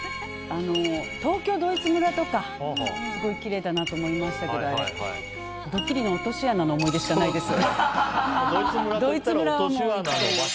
東京ドイツ村とか、すごいきれいだなと思いましたけどドッキリの落とし穴の思い出しかないです。